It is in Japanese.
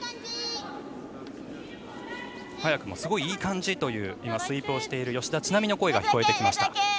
早くも、すごいいい感じという今、スイープをしている吉田知那美の声が聞こえました。